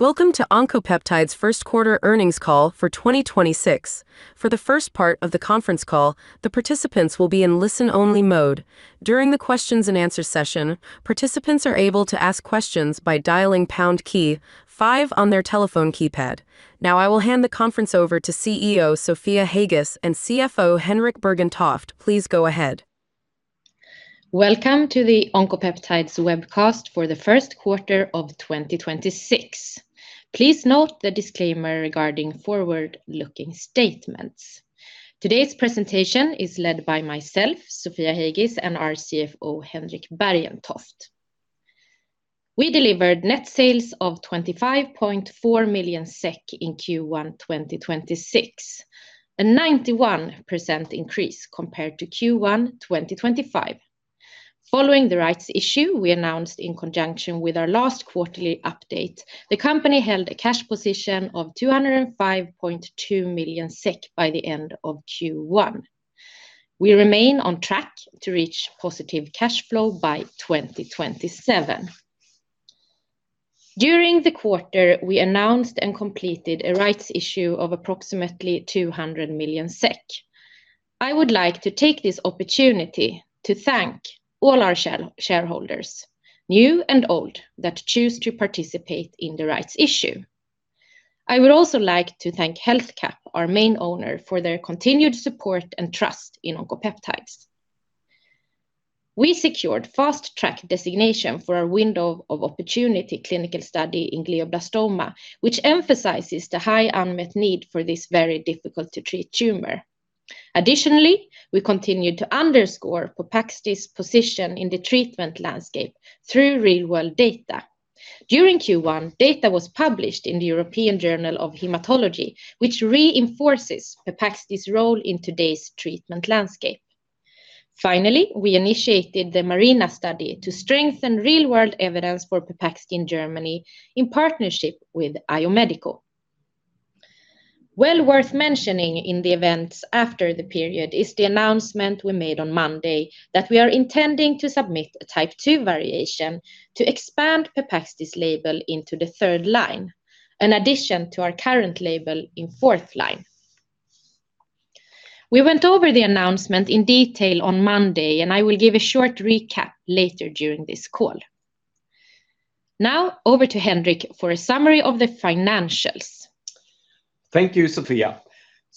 Welcome to Oncopeptides first quarter earnings call for 2026. For the first part of the conference call, the participants will be on listen only mode. During the questions-and-answer session, participants are able to ask questions by dialing pound key five on their telephone keypad. Now, I will hand the conference over to CEO Sofia Heigis and CFO Henrik Bergentoft. Please go ahead. Welcome to the Oncopeptides webcast for the first quarter of 2026. Please note the disclaimer regarding forward-looking statements. Today's presentation is led by myself, Sofia Heigis, and our CFO, Henrik Bergentoft. We delivered net sales of 25.4 million SEK in Q1 2026, a 91% increase compared to Q1 2025. Following the rights issue we announced in conjunction with our last quarterly update, the company held a cash position of 205.2 million SEK by the end of Q1. We remain on track to reach positive cash flow by 2027. During the quarter, we announced and completed a rights issue of approximately 200 million SEK. I would like to take this opportunity to thank all our shareholders, new and old, that choose to participate in the rights issue. I would also like to thank HealthCap, our main owner, for their continued support and trust in Oncopeptides. We secured fast-track designation for our window of opportunity clinical study in glioblastoma, which emphasizes the high unmet need for this very difficult to treat tumor. Additionally, we continued to underscore Pepaxti's position in the treatment landscape through Real-World Data. During Q1, data was published in the European Journal of Haematology, which reinforces Pepaxti's role in today's treatment landscape. Finally, we initiated the MARINA study to strengthen Real-World Evidence for Pepaxti in Germany in partnership with iOMEDICO. Well worth mentioning in the events after the period is the announcement we made on Monday that we are intending to submit a Type II variation to expand Pepaxti's label into the third line, an addition to our current label in fourth line. We went over the announcement in detail on Monday, and I will give a short recap later during this call. Now over to Henrik for a summary of the financials. Thank you, Sofia.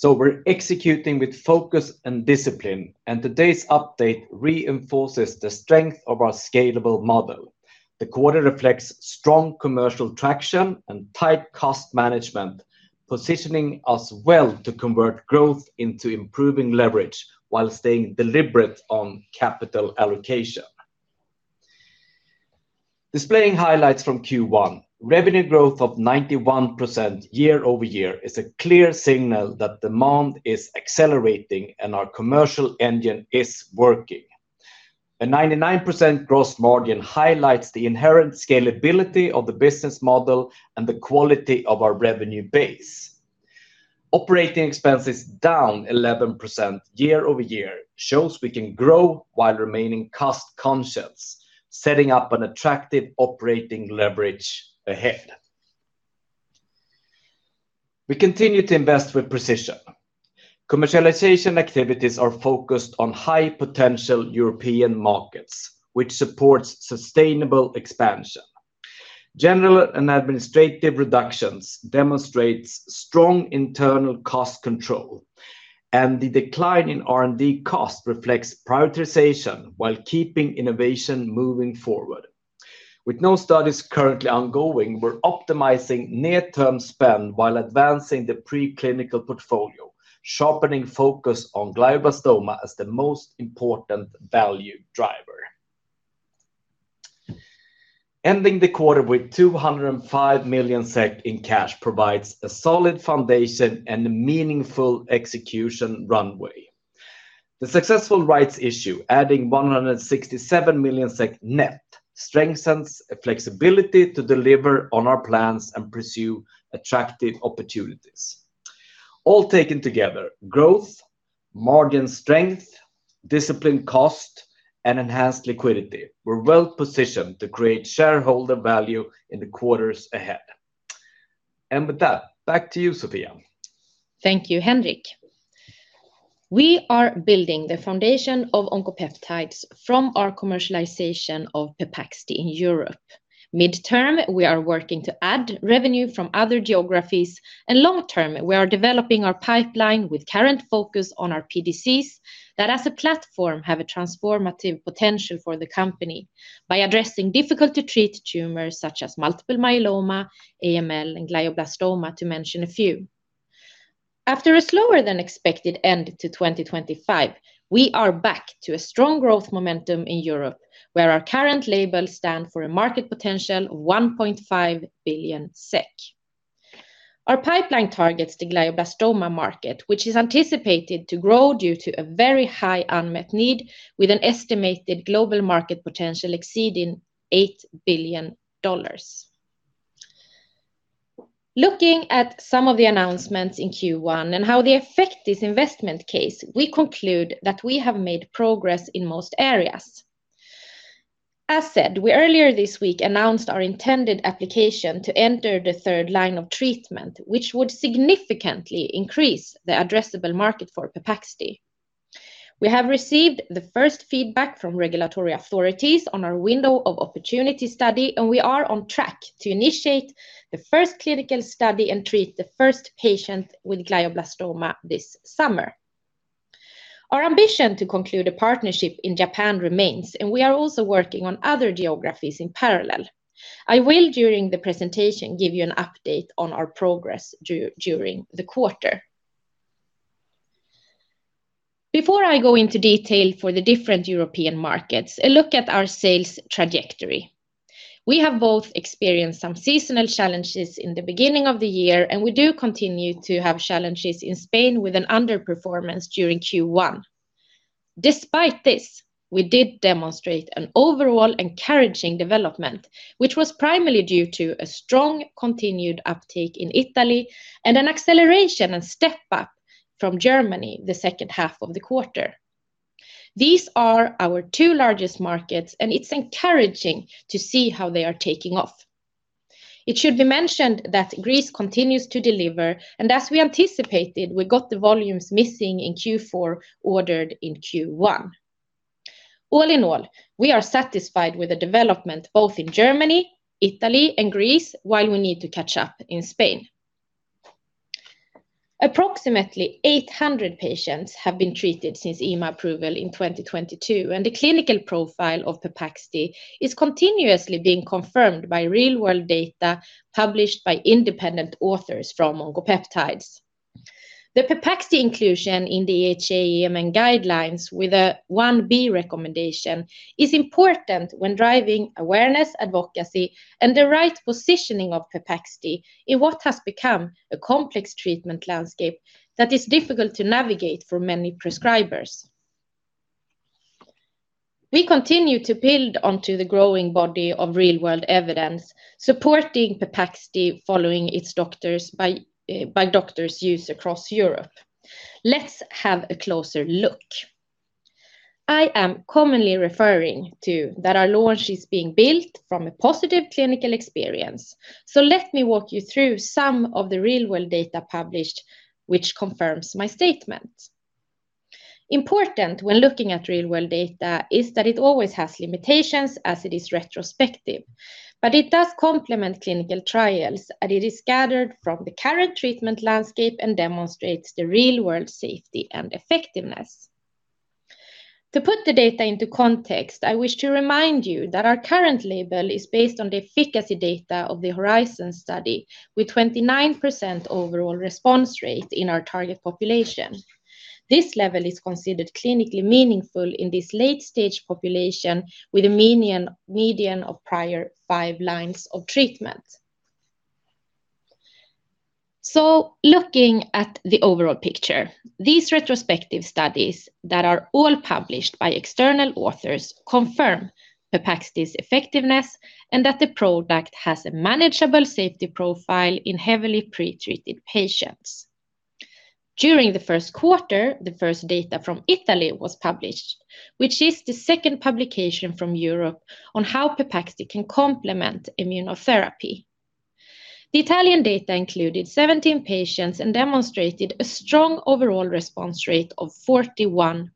We're executing with focus and discipline, today's update reinforces the strength of our scalable model. The quarter reflects strong commercial traction and tight cost management, positioning us well to convert growth into improving leverage while staying deliberate on capital allocation. Displaying highlights from Q1, revenue growth of 91% year-over-year is a clear signal that demand is accelerating and our commercial engine is working. A 99% gross margin highlights the inherent scalability of the business model and the quality of our revenue base. Operating expenses down 11% year-over-year shows we can grow while remaining cost conscious, setting up an attractive operating leverage ahead. We continue to invest with precision. Commercialization activities are focused on high potential European markets, which supports sustainable expansion. General and administrative reductions demonstrates strong internal cost control, and the decline in R&D cost reflects prioritization while keeping innovation moving forward. With no studies currently ongoing, we're optimizing near-term spend while advancing the preclinical portfolio, sharpening focus on glioblastoma as the most important value driver. Ending the quarter with 205 million SEK in cash provides a solid foundation and a meaningful execution runway. The successful rights issue, adding 167 million SEK net, strengthens a flexibility to deliver on our plans and pursue attractive opportunities. All taken together, growth, margin strength, disciplined cost, and enhanced liquidity, we're well-positioned to create shareholder value in the quarters ahead. With that, back to you, Sofia. Thank you, Henrik. We are building the foundation of Oncopeptides from our commercialization of Pepaxti in Europe. Midterm, we are working to add revenue from other geographies. Long term, we are developing our pipeline with current focus on our PDCs that, as a platform, have a transformative potential for the company by addressing difficult to treat tumors such as multiple myeloma, AML, and glioblastoma, to mention a few. After a slower than expected end to 2025, we are back to a strong growth momentum in Europe, where our current labels stand for a market potential of 1.5 billion SEK. Our pipeline targets the glioblastoma market, which is anticipated to grow due to a very high unmet need with an estimated global market potential exceeding $8 billion. Looking at some of the announcements in Q1 and how they affect this investment case, we conclude that we have made progress in most areas. As said, we earlier this week announced our intended application to enter the third line of treatment, which would significantly increase the addressable market for Pepaxti. We have received the first feedback from regulatory authorities on our window of opportunity study, and we are on track to initiate the first clinical study and treat the first patient with glioblastoma this summer. Our ambition to conclude a partnership in Japan remains, and we are also working on other geographies in parallel. I will, during the presentation, give you an update on our progress during the quarter. Before I go into detail for the different European markets, a look at our sales trajectory. We have both experienced some seasonal challenges in the beginning of the year, and we do continue to have challenges in Spain with an underperformance during Q1. Despite this, we did demonstrate an overall encouraging development, which was primarily due to a strong continued uptake in Italy and an acceleration and step up from Germany the second half of the quarter. These are our two largest markets, it's encouraging to see how they are taking off. It should be mentioned that Greece continues to deliver, and as we anticipated, we got the volumes missing in Q4 ordered in Q1. All in all, we are satisfied with the development both in Germany, Italy, and Greece while we need to catch up in Spain. Approximately 800 patients have been treated since EMA approval in 2022, and the clinical profile of Pepaxti is continuously being confirmed by real-world data published by independent authors from Oncopeptides. The Pepaxti inclusion in the EHA/EMN guidelines with a 1B recommendation is important when driving awareness, advocacy, and the right positioning of Pepaxti in what has become a complex treatment landscape that is difficult to navigate for many prescribers. We continue to build onto the growing body of real-world evidence supporting Pepaxti following its doctors by doctors' use across Europe. Let's have a closer look. I am commonly referring to that our launch is being built from a positive clinical experience, so let me walk you through some of the real-world data published which confirms my statement. Important when looking at Real-World Data is that it always has limitations as it is retrospective. It does complement clinical trials, and it is gathered from the current treatment landscape and demonstrates the Real-World safety and effectiveness. To put the data into context, I wish to remind you that our current label is based on the efficacy data of the HORIZON study with 29% overall response rate in our target population. This level is considered clinically meaningful in this late stage population with a median of prior five lines of treatment. Looking at the overall picture, these retrospective studies that are all published by external authors confirm Pepaxti's effectiveness and that the product has a manageable safety profile in heavily pre-treated patients. During the first quarter, the first data from Italy was published, which is the second publication from Europe on how Pepaxti can complement immunotherapy. The Italian data included 17 patients and demonstrated a strong overall response rate of 41%.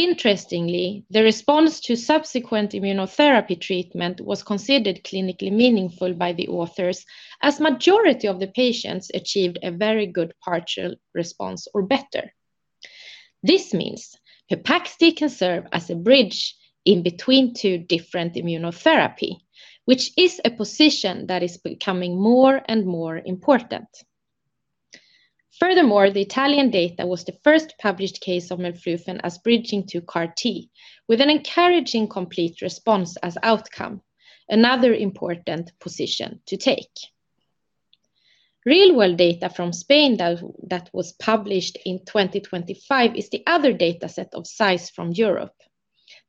Interestingly, the response to subsequent immunotherapy treatment was considered clinically meaningful by the authors, as majority of the patients achieved a very good partial response or better. This means Pepaxti can serve as a bridge in between two different immunotherapy, which is a position that is becoming more and more important. The Italian data was the first published case of melphalan as bridging to CAR T with an encouraging complete response as outcome, another important position to take. Real-World Data from Spain that was published in 2025 is the other data set of size from Europe.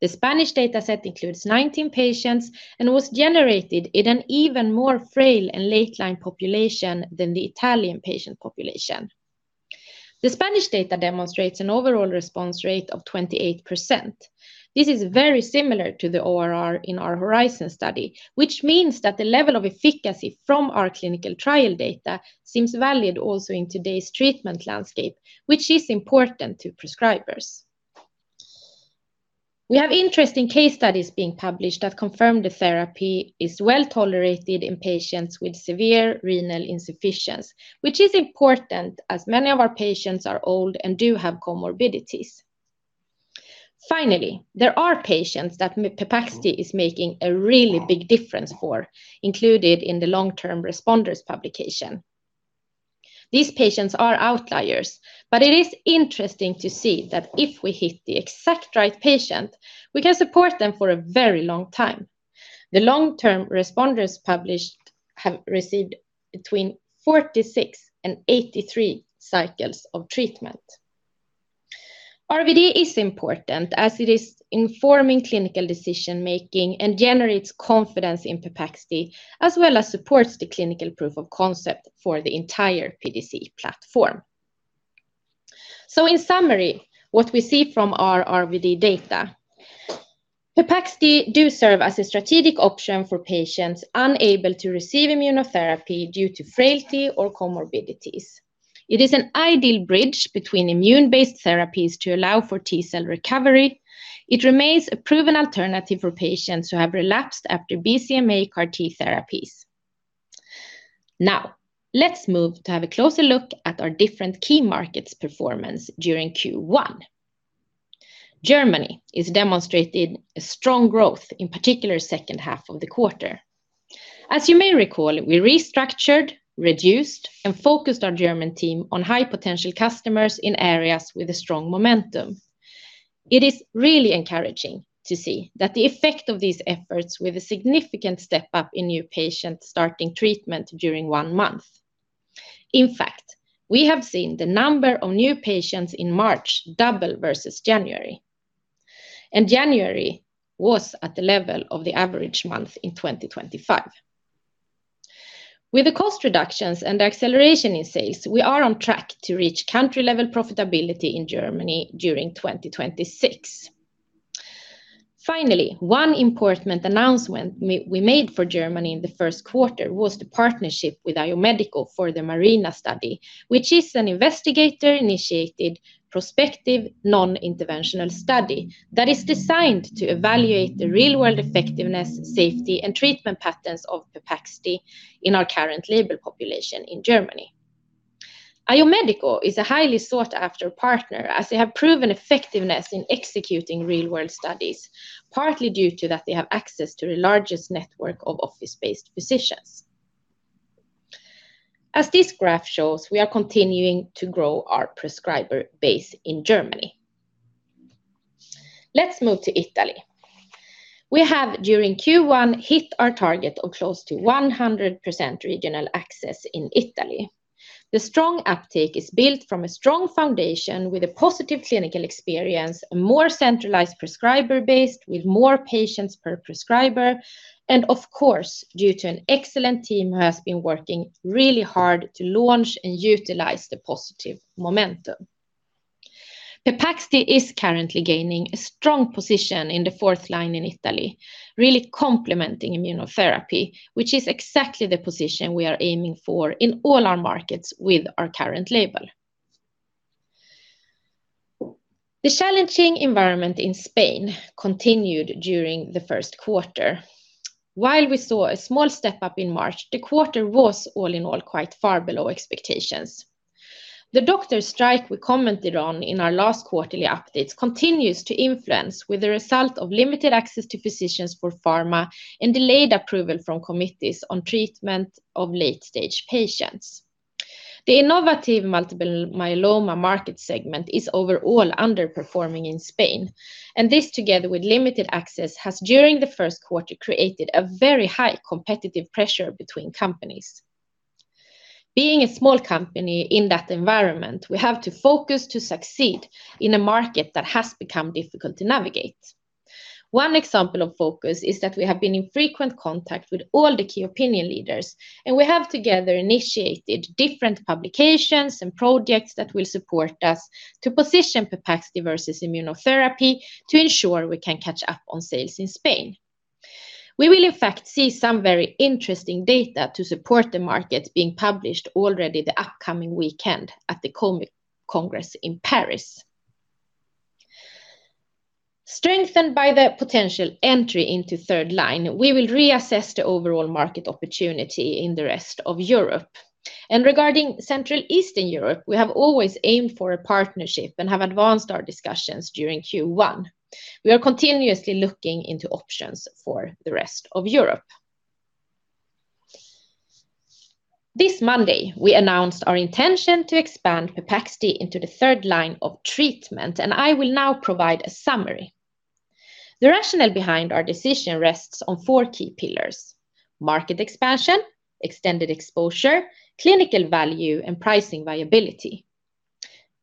The Spanish data set includes 19 patients and was generated in an even more frail and late-line population than the Italian patient population. The Spanish data demonstrates an overall response rate of 28%. This is very similar to the ORR in our HORIZON study, which means that the level of efficacy from our clinical trial data seems valid also in today's treatment landscape, which is important to prescribers. We have interesting case studies being published that confirm the therapy is well-tolerated in patients with severe renal insufficiency, which is important as many of our patients are old and do have comorbidities. Finally, there are patients that Pepaxti is making a really big difference for, included in the long-term responders publication. These patients are outliers, but it is interesting to see that if we hit the exact right patient, we can support them for a very long time. The long-term responders published have received between 46 and 83 cycles of treatment. RWD is important as it is informing clinical decision-making and generates confidence in Pepaxti, as well as supports the clinical proof of concept for the entire PDC platform. In summary, what we see from our RWD data, Pepaxti do serve as a strategic option for patients unable to receive immunotherapy due to frailty or comorbidities. It is an ideal bridge between immune-based therapies to allow for T-cell recovery. It remains a proven alternative for patients who have relapsed after BCMA CAR T therapies. Let's move to have a closer look at our different key markets performance during Q1. Germany is demonstrating a strong growth, in particular second half of the quarter. As you may recall, we restructured, reduced, and focused our German team on high-potential customers in areas with a strong momentum. It is really encouraging to see that the effect of these efforts with a significant step up in new patients starting treatment during one month. We have seen the number of new patients in March double versus January, and January was at the level of the average month in 2025. With the cost reductions and acceleration in sales, we are on track to reach country-level profitability in Germany during 2026. One important announcement we made for Germany in the first quarter was the partnership with iOMEDICO for the MARINA study, which is an investigator-initiated prospective non-interventional study that is designed to evaluate the real-world effectiveness, safety, and treatment patterns of Pepaxti in our current label population in Germany. iOMEDICO is a highly sought-after partner as they have proven effectiveness in executing real world studies, partly due to that they have access to the largest network of office-based physicians. As this graph shows, we are continuing to grow our prescriber base in Germany. Let's move to Italy. We have, during Q1, hit our target of close to 100% regional access in Italy. The strong uptake is built from a strong foundation with a positive clinical experience, a more centralized prescriber base with more patients per prescriber, and of course, due to an excellent team who has been working really hard to launch and utilize the positive momentum. Pepaxti is currently gaining a strong position in the fourth line in Italy, really complementing immunotherapy, which is exactly the position we are aiming for in all our markets with our current label. The challenging environment in Spain continued during the first quarter. While we saw a small step up in March, the quarter was all in all quite far below expectations. The doctor strike we commented on in our last quarterly updates continues to influence with the result of limited access to physicians for pharma and delayed approval from committees on treatment of late-stage patients. The innovative multiple myeloma market segment is overall underperforming in Spain, and this together with limited access has during the first quarter created a very high competitive pressure between companies. Being a small company in that environment, we have to focus to succeed in a market that has become difficult to navigate. One example of focus is that we have been in frequent contact with all the key opinion leaders, and we have together initiated different publications and projects that will support us to position Pepaxti versus immunotherapy to ensure we can catch up on sales in Spain. We will in fact see some very interesting data to support the market being published already the upcoming weekend at the congress in Paris. Strengthened by the potential entry into third line, we will reassess the overall market opportunity in the rest of Europe. Regarding Central Eastern Europe, we have always aimed for a partnership and have advanced our discussions during Q1. We are continuously looking into options for the rest of Europe. This Monday, we announced our intention to expand Pepaxti into the third line of treatment, and I will now provide a summary. The rationale behind our decision rests on four key pillars: market expansion, extended exposure, clinical value, and pricing viability.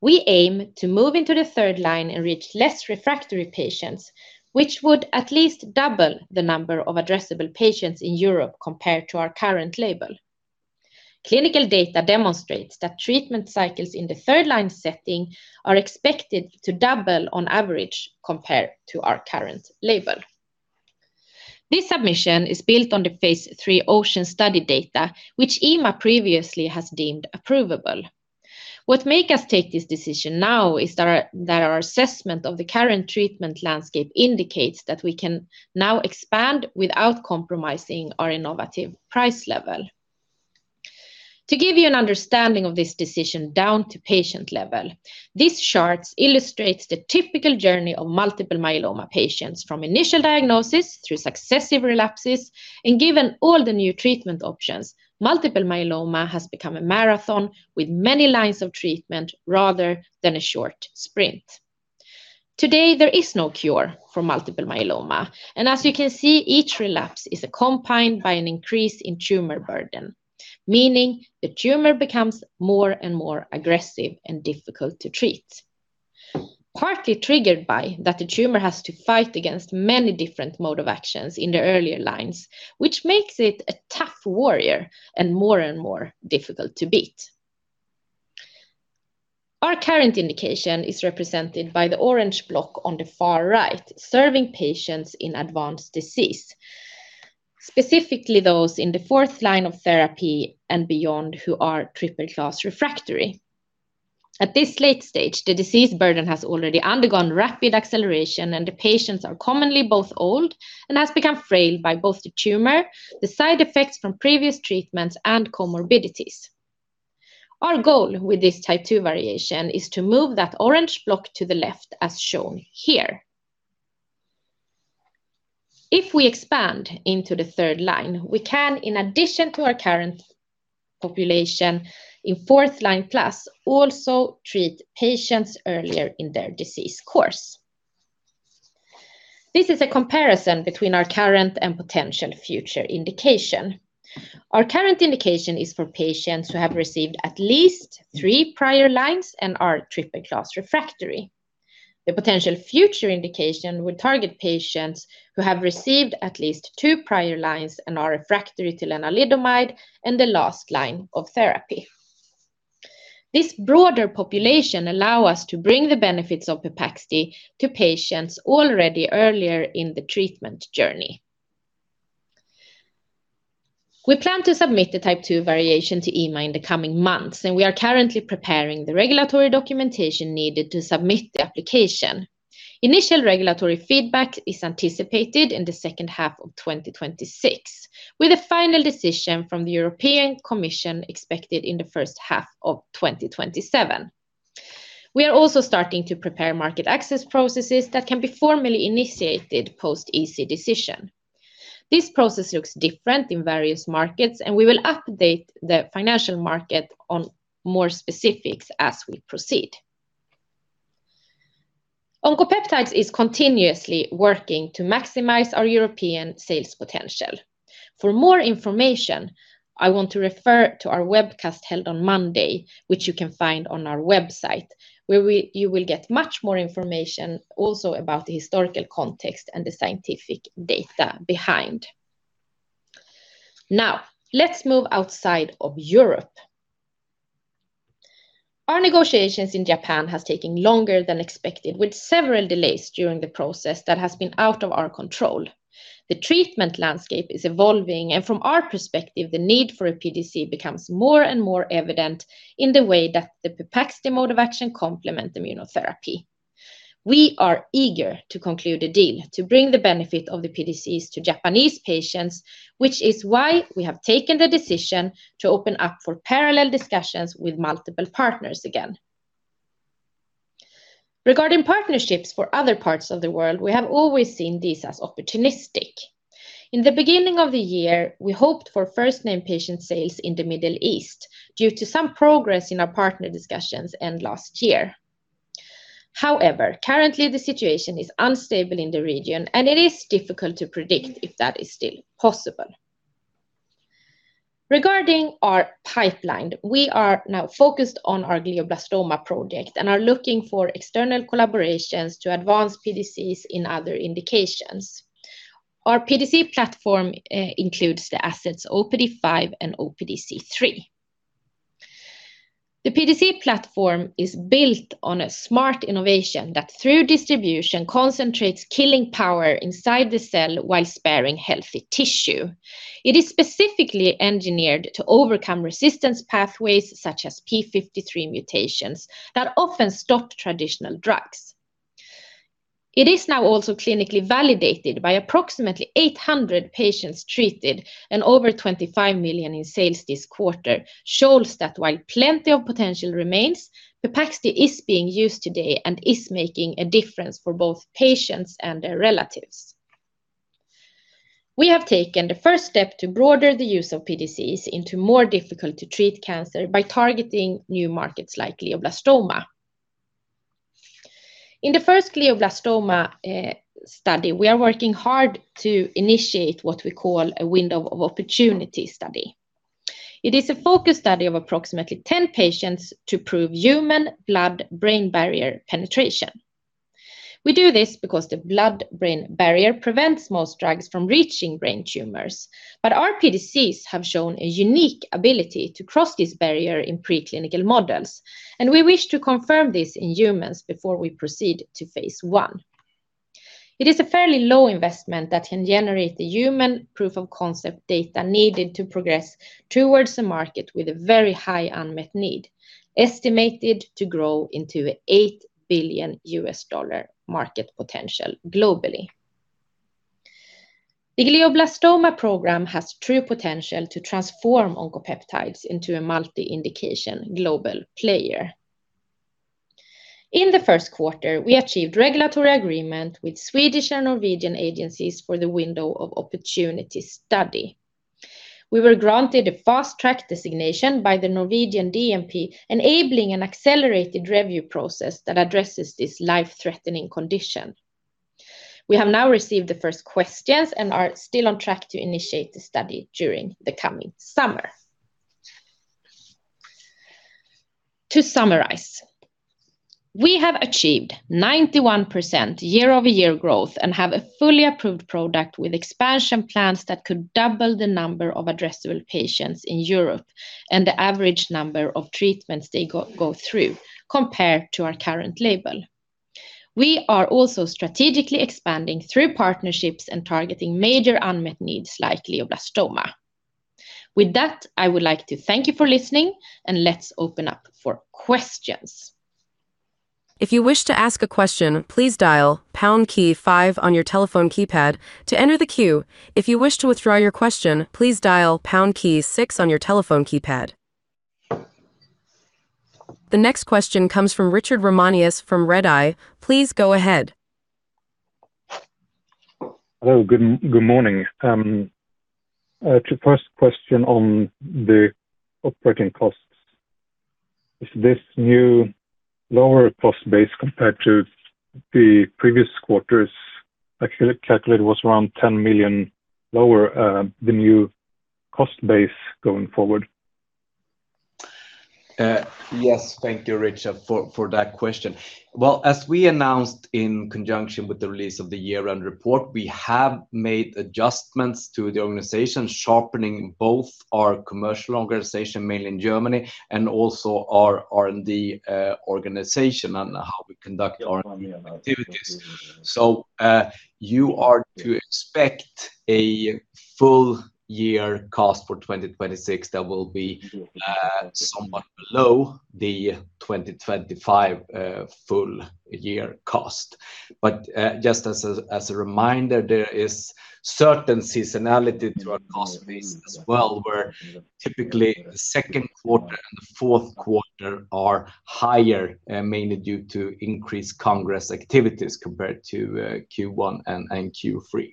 We aim to move into the third line and reach less refractory patients, which would at least double the number of addressable patients in Europe compared to our current label. Clinical data demonstrates that treatment cycles in the third line setting are expected to double on average compared to our current label. This submission is built on the phase III OCEAN study data, which EMA previously has deemed approvable. What make us take this decision now is that our assessment of the current treatment landscape indicates that we can now expand without compromising our innovative price level. To give you an understanding of this decision down to patient level, this chart illustrates the typical journey of multiple myeloma patients from initial diagnosis through successive relapses, and given all the new treatment options, multiple myeloma has become a marathon with many lines of treatment rather than a short sprint. Today, there is no cure for multiple myeloma, and as you can see, each relapse is accompanied by an increase in tumor burden, meaning the tumor becomes more and more aggressive and difficult to treat. Partly triggered by that the tumor has to fight against many different mode of actions in the earlier lines, which makes it a tough warrior and more and more difficult to beat. Our current indication is represented by the orange block on the far right, serving patients in advanced disease, specifically those in the fourth line of therapy and beyond who are triple-class refractory. At this late stage, the disease burden has already undergone rapid acceleration, and the patients are commonly both old and has become frail by both the tumor, the side effects from previous treatments, and comorbidities. Our goal with this Type II variation is to move that orange block to the left as shown here. If we expand into the third line, we can, in addition to our current population in fourth line class, also treat patients earlier in their disease course. This is a comparison between our current and potential future indication. Our current indication is for patients who have received at least three prior lines and are triple-class refractory. The potential future indication would target patients who have received at least two prior lines and are refractory to lenalidomide and the last line of therapy. This broader population allow us to bring the benefits of Pepaxti to patients already earlier in the treatment journey. We plan to submit the Type II variation to EMA in the coming months, and we are currently preparing the regulatory documentation needed to submit the application. Initial regulatory feedback is anticipated in the second half of 2026, with a final decision from the European Commission expected in the first half of 2027. We are also starting to prepare market access processes that can be formally initiated post EC decision. This process looks different in various markets, and we will update the financial market on more specifics as we proceed. Oncopeptides is continuously working to maximize our European sales potential. For more information, I want to refer to our webcast held on Monday, which you can find on our website, where you will get much more information also about the historical context and the scientific data behind. Now, let's move outside of Europe. Our negotiations in Japan has taken longer than expected, with several delays during the process that has been out of our control. The treatment landscape is evolving, and from our perspective, the need for a PDC becomes more and more evident in the way that the Pepaxti mode of action complement immunotherapy. We are eager to conclude a deal to bring the benefit of the PDCs to Japanese patients, which is why we have taken the decision to open up for parallel discussions with multiple partners again. Regarding partnerships for other parts of the world, we have always seen these as opportunistic. In the beginning of the year, we hoped for first-name patient sales in the Middle East due to some progress in our partner discussions end last year. Currently the situation is unstable in the region, and it is difficult to predict if that is still possible. Regarding our pipeline, we are now focused on our glioblastoma project and are looking for external collaborations to advance PDCs in other indications. Our PDC platform includes the assets OPD5 and OPDC3. The PDC platform is built on a smart innovation that through distribution concentrates killing power inside the cell while sparing healthy tissue. It is specifically engineered to overcome resistance pathways such as p53 mutations that often stop traditional drugs. It is now also clinically validated by approximately 800 patients treated and over 25 million in sales this quarter shows that while plenty of potential remains, Pepaxti is being used today and is making a difference for both patients and their relatives. We have taken the first step to broader the use of PDCs into more difficult to treat cancer by targeting new markets like glioblastoma. In the first glioblastoma study, we are working hard to initiate what we call a window of opportunity study. It is a focused study of approximately 10 patients to prove human blood-brain barrier penetration. We do this because the blood-brain barrier prevents most drugs from reaching brain tumors, but our PDCs have shown a unique ability to cross this barrier in preclinical models, and we wish to confirm this in humans before we proceed to phase I. It is a fairly low investment that can generate the human proof of concept data needed to progress towards the market with a very high unmet need, estimated to grow into $8 billion market potential globally. The glioblastoma program has true potential to transform Oncopeptides into a multi-indication global player. In the first quarter, we achieved regulatory agreement with Swedish and Norwegian agencies for the window of opportunity study. We were granted a fast-track designation by the Norwegian DMP, enabling an accelerated review process that addresses this life-threatening condition. We have now received the first questions and are still on track to initiate the study during the coming summer. To summarize, we have achieved 91% year-over-year growth and have a fully approved product with expansion plans that could double the number of addressable patients in Europe and the average number of treatments they go through compared to our current label. We are also strategically expanding through partnerships and targeting major unmet needs like glioblastoma. With that, I would like to thank you for listening. Let's open up for questions. If you wish to ask a question please dial pound key five on your telephone keypad to enter the queue. If you wish to withdraw your question place dal pound key six on your telephone keypad. The next question comes from Richard Ramanius from Redeye. Please go ahead. Hello. Good morning. The first question on the operating costs. Is this new lower cost base compared to the previous quarters? I calculate it was around 10 million lower, the new cost base going forward. Yes. Thank you, Richard, for that question. As we announced in conjunction with the release of the year-end report, we have made adjustments to the organization, sharpening both our commercial organization, mainly in Germany, and also our R&D organization and how we conduct our activities. You are to expect a full year cost for 2026 that will be somewhat below the 2025 full year cost. Just as a reminder, there is certain seasonality to our cost base as well, where typically the second quarter and the fourth quarter are higher, mainly due to increased Congress activities compared to Q1 and Q3.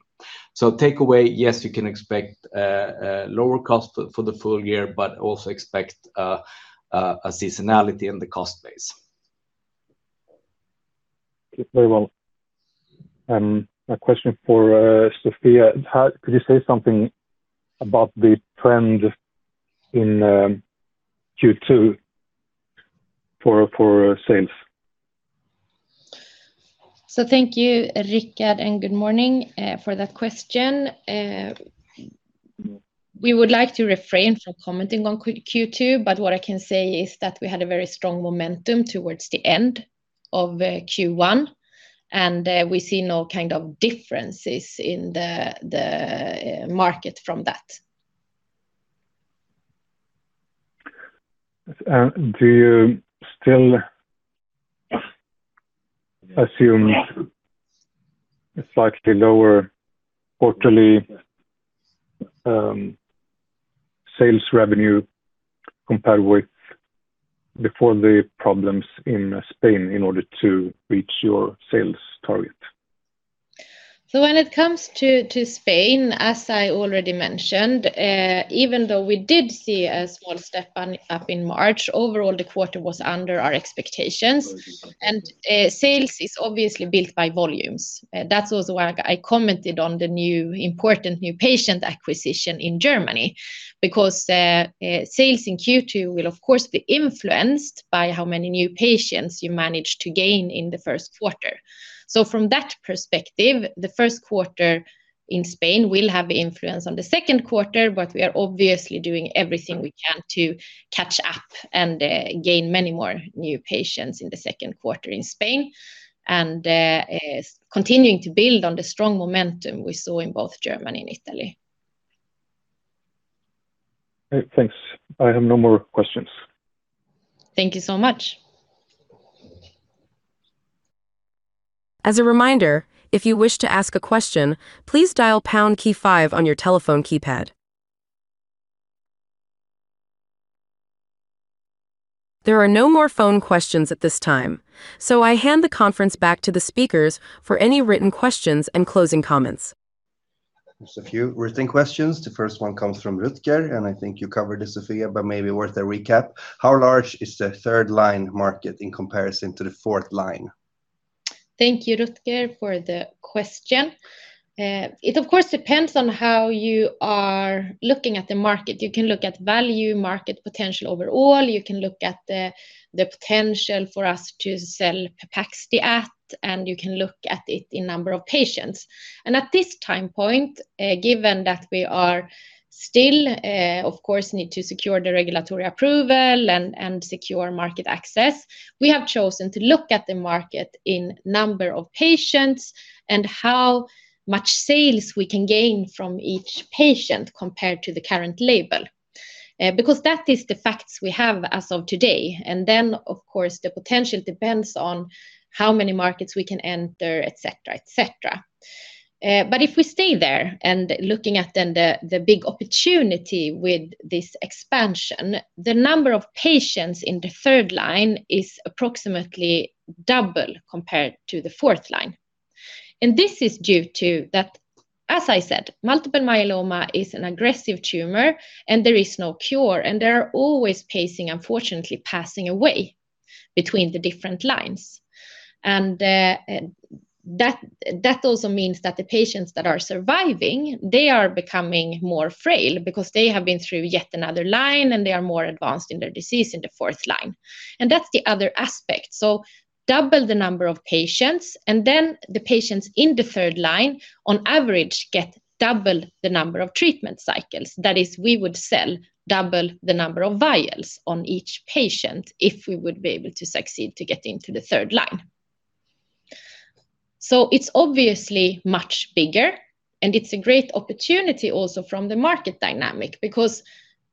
Takeaway, yes, you can expect lower cost for the full year, but also expect a seasonality in the cost base. Thank you very well. My question for Sofia, could you say something about the trend in Q2 for sales? Thank you, Richard, and good morning for that question. We would like to refrain from commenting on Q2, but what I can say is that we had a very strong momentum towards the end of Q1, and we see no kind of differences in the market from that. Do you still assume a slightly lower quarterly sales revenue compared with before the problems in Spain in order to reach your sales target? When it comes to Spain, as I already mentioned, even though we did see a small step up in March, overall, the quarter was under our expectations. Sales is obviously built by volumes. That's also why I commented on the new important new patient acquisition in Germany, because sales in Q2 will of course be influenced by how many new patients you manage to gain in the first quarter. From that perspective, the first quarter in Spain will have influence on the second quarter, but we are obviously doing everything we can to catch up and gain many more new patients in the second quarter in Spain, and continuing to build on the strong momentum we saw in both Germany and Italy. Thanks. I have no more questions. Thank you so much. As a reminder if you wish to ask a question please dial pound key five on your telephone keypad. There are no more phone questions at this time, so I hand the conference back to the speakers for any written questions and closing comments. There's a few written questions. The first one comes from Rutger, and I think you covered this, Sofia, but maybe worth a recap. How large is the third-line market in comparison to the fourth line? Thank you, Rutger, for the question. It of course depends on how you are looking at the market. You can look at value market potential overall. You can look at the potential for us to sell Pepaxti, and you can look at it in number of patients. At this time point, given that we are still, of course, need to secure the regulatory approval and secure market access, we have chosen to look at the market in number of patients and how much sales we can gain from each patient compared to the current label. Because that is the facts we have as of today. Then, of course, the potential depends on how many markets we can enter, et cetera, et cetera. If we stay there looking at the big opportunity with this expansion, the number of patients in the third line is approximately double compared to the fourth line. This is due to that. As I said, multiple myeloma is an aggressive tumor, and there is no cure, and there are always patients, unfortunately, passing away between the different lines. That also means that the patients that are surviving, they are becoming more frail because they have been through yet another line, and they are more advanced in their disease in the fourth line. That's the other aspect. Double the number of patients. The patients in the third line, on average, get double the number of treatment cycles. We would sell double the number of vials on each patient if we would be able to succeed to get into the third line. It's obviously much bigger, and it's a great opportunity also from the market dynamic because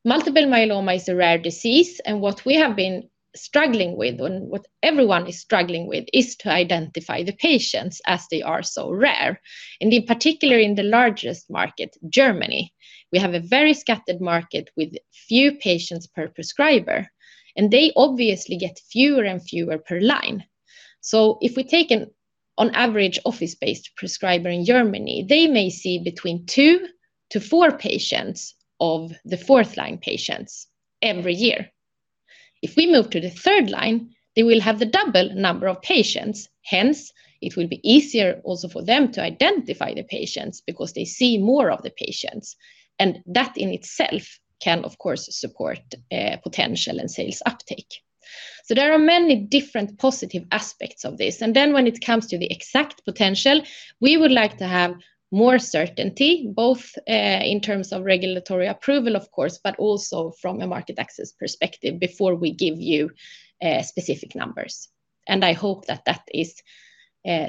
multiple myeloma is a rare disease, and what we have been struggling with and what everyone is struggling with is to identify the patients as they are so rare. In particular, in the largest market, Germany, we have a very scattered market with few patients per prescriber, and they obviously get fewer and fewer per line. If we take an on average office-based prescriber in Germany, they may see between two to four patients of the fourth line patients every year. If we move to the third line, they will have the double number of patients. It will be easier also for them to identify the patients because they see more of the patients, and that in itself can, of course, support potential and sales uptake. There are many different positive aspects of this. When it comes to the exact potential, we would like to have more certainty, both in terms of regulatory approval, of course, but also from a market access perspective before we give you specific numbers. I hope that that is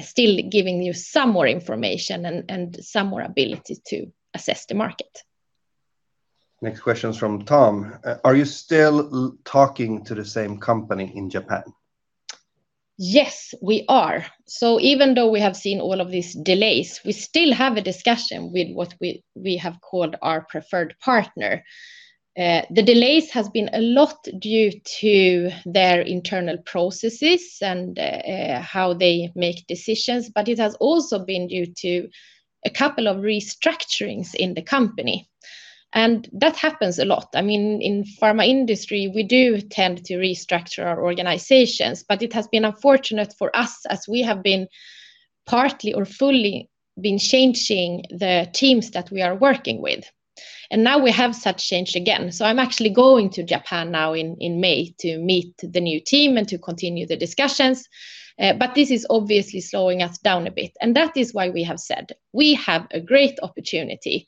still giving you some more information and some more ability to assess the market. Next question is from Tom. Are you still talking to the same company in Japan? Yes, we are. Even though we have seen all of these delays, we still have a discussion with what we have called our preferred partner. The delays has been a lot due to their internal processes and how they make decisions, it has also been due to a couple of restructurings in the company. That happens a lot. I mean, in pharma industry, we do tend to restructure our organizations, it has been unfortunate for us as we have been partly or fully been changing the teams that we are working with. Now we have such change again. I'm actually going to Japan now in May to meet the new team and to continue the discussions. This is obviously slowing us down a bit. That is why we have said we have a great opportunity.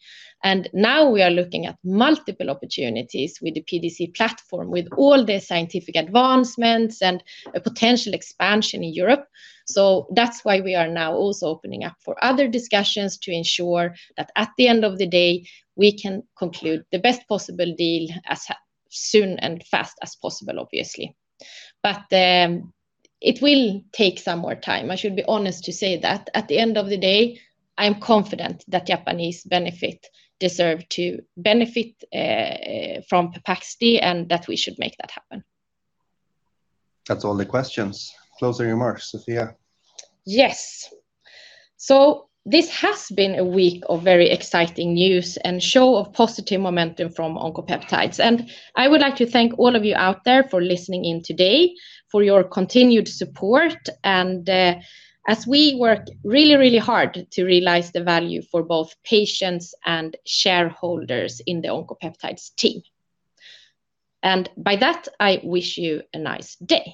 Now we are looking at multiple opportunities with the PDC platform, with all the scientific advancements and a potential expansion in Europe. That's why we are now also opening up for other discussions to ensure that at the end of the day, we can conclude the best possible deal as soon and fast as possible, obviously. It will take some more time. I should be honest to say that at the end of the day, I am confident that Japanese benefit deserve to benefit from Pepaxti and that we should make that happen. That's all the questions. Closing remarks, Sofia. Yes. This has been a week of very exciting news and show of positive momentum from Oncopeptides. I would like to thank all of you out there for listening in today, for your continued support, as we work really, really hard to realize the value for both patients and shareholders in the Oncopeptides team. By that, I wish you a nice day.